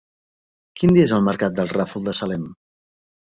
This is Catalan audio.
Quin dia és el mercat del Ràfol de Salem?